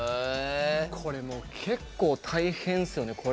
これ結構、大変ですよね。